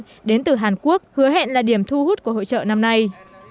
nhân tử hàn quốc hứa hẹn là điểm thu hút của hội trợ năm nay